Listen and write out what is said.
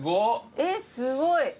えっすごい。